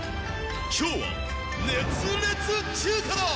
今日は熱烈中華だ。